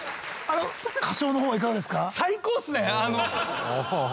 歌唱の方はいかがですか？